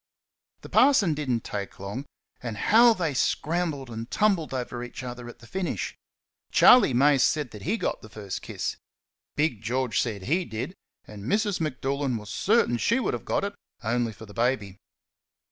The parson did n't take long; and how they scrambled and tumbled over each other at the finish! Charley Mace said that he got the first kiss; Big George said HE did; and Mrs. M'Doolan was certain she would have got it only for the baby.